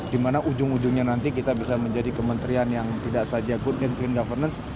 di mana ujung ujungnya nanti kita bisa menjadi kementerian yang tidak saja good in governance